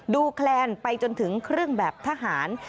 แคลนไปจนถึงเครื่องแบบทหาร